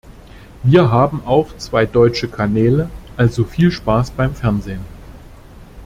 Wir haben auch zwei deutsche Kanäle, also viel Spaß beim Fernsehen.